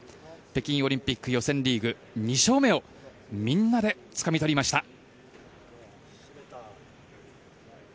北京オリンピック予選リーグ２勝目をみんなでつかみ取りました。